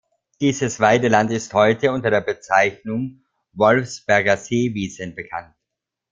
Dieses Weideland ist heute unter der Bezeichnung „Wolfsberger Seewiesen“ bekannt.